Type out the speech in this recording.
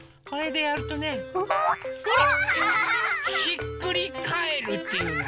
これでやるとねほら！